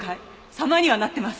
様にはなってます。